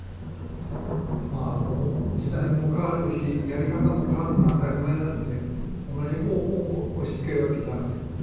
まあもう時代も変わるしやり方も変わるのは当たり前なんで同じ方法を押しつけるわけじゃない。